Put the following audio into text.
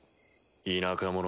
田舎者。